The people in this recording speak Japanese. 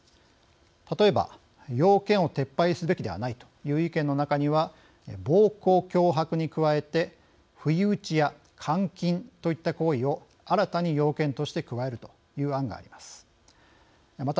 例えば要件を撤廃すべきではないという意見の中には暴行・脅迫に加えて不意打ちや監禁といった行為を新たに要件として加えるという案があります。